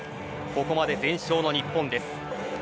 ここまで全勝の日本です。